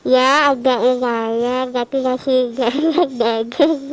ya agak lumayan tapi masih agak agak